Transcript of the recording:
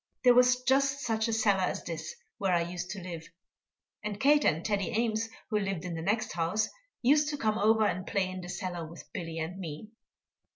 There was just such a cellar as this where I used to live, and Kate and Teddy Ames, who lived in the next house, used to come over and play in the cellar with Billy and me.